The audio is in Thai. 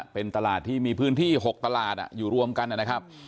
เป็นตลาดที่มีพื้นที่๖ตลาดอยู่รวมกันนะครับ